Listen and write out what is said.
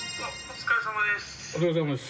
お疲れさまです。